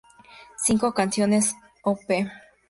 Cinco canciones, op.